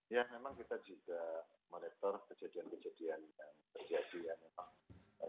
ya memang kita juga monitor kejadian kejadian yang terjadi ya memang